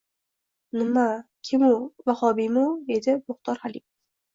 “Nima? Kim u? Vahobiymi u?”, — deydi Muhtor Halimov